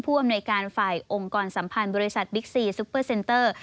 อำนวยการฝ่ายองค์กรสัมพันธ์บริษัทบิ๊กซีซุปเปอร์เซ็นเตอร์